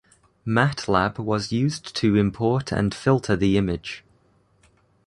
Matlab was used to import and filter the image.